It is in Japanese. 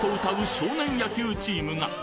少年野球チームが！